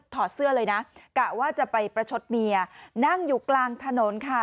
เสื้อเลยนะกะว่าจะไปประชดเมียนั่งอยู่กลางถนนค่ะ